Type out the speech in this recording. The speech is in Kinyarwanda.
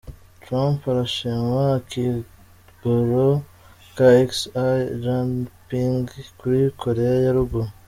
Trump arashima akigoro ka Xi Jinping kuri Korea ya ruguru.